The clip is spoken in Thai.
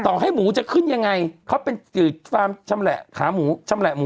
ให้หมูจะขึ้นยังไงเขาเป็นฟาร์มชำแหละขาหมูชำแหละหมู